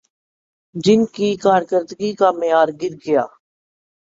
جن کی کارکردگی کا معیار گرگیا